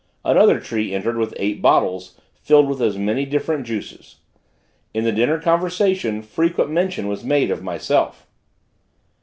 Another tree entered with eight bottles, filled with as many different juices. In the dinner conversation, frequent mention was made of myself.